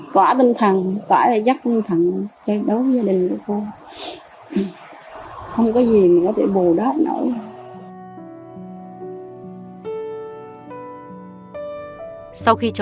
có tiếng bi bô của đứa trẻ